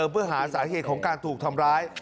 เพื่อหาสาเหตุของการถูกทำร้าย